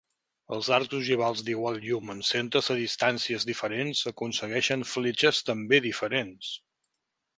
Els arcs ogivals d'igual llum amb centres a distàncies diferents aconsegueixen fletxes també diferents.